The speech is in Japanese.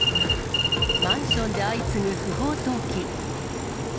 マンションで相次ぐ不法投棄。